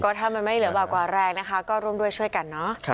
ถ้ามันไม่เหลือบากกว่าแรงนะคะก็ร่วมด้วยช่วยกันเนอะ